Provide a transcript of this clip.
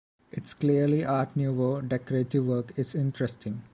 Its clearly art-nouveau decorative work is interesting.